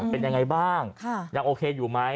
เป็นยังไงบ้างยังโอเคอยู่ไหม